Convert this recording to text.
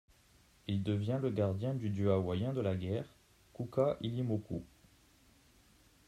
Il devient le gardien du dieu hawaïen de la guerre, Kuka'ilimoku.